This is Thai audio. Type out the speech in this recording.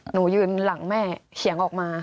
หนูยืนหลังแม่เขียงออกมา